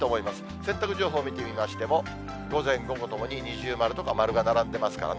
洗濯情報見てみましても、午前、午後ともに二重丸とか丸が並んでますからね。